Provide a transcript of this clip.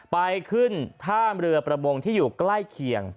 ไปขึ้นท่ามเรือประมงที่อยู่ใกล้เคียง